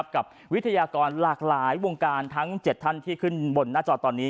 วิทยากรหลากหลายวงการทั้ง๗ท่านที่ขึ้นบนหน้าจอตอนนี้